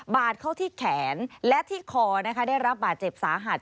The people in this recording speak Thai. เข้าที่แขนและที่คอนะคะได้รับบาดเจ็บสาหัส